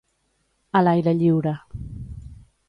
A l'aire lliure.